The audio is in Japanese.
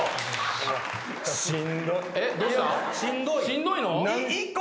しんどいの？